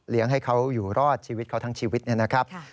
ให้เขาอยู่รอดชีวิตเขาทั้งชีวิตนะครับ